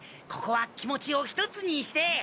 ここは気持ちを一つにして。